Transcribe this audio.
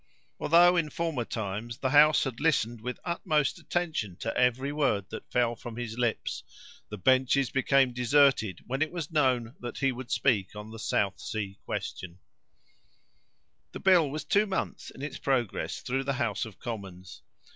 Although, in former times, the house had listened with the utmost attention to every word that fell from his lips, the benches became deserted when it was known that he would speak on the South Sea question. [Illustration: SIR ROBERT WALPOLE] The bill was two months in its progress through the House of Commons.